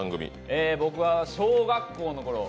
僕は小学校のころ